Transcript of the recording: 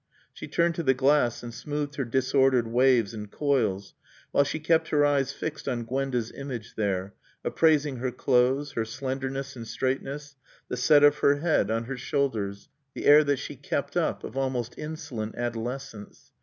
She turned to the glass and smoothed her disordered waves and coils, while she kept her eyes fixed on Gwenda's image there, appraising her clothes, her slenderness and straightness, the set of her head on her shoulders, the air that she kept up of almost insolent adolescence.